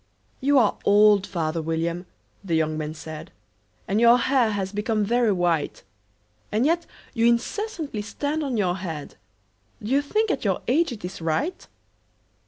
"YOU are old, father William," the young man said, "And your hair has become very white; And yet you incessantly stand on your head Do you think, at your age, it is right?